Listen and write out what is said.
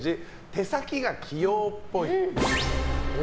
手先が器用っぽい。